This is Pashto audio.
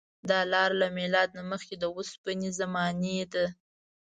دا لاره له میلاد نه مخکې د اوسپنې زمانې ده.